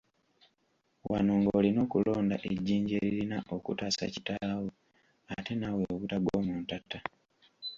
Wano ng’olina okulonda ejjinja eririna okutaasa kitaawo ate naawe obutagwa mu ntata.